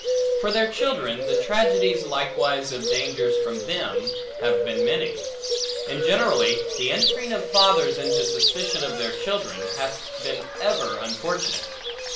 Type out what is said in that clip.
For their children; the tragedies likewise of dangers from them, have been many. And generally, the entering of fathers into suspicion of their children, hath been ever unfortunate.